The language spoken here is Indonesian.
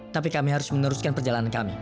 tapi kami harus meneruskan perjalanan kami